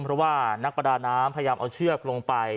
เพราะว่านักประดาน้ำพยายามเอาเชือกลงไป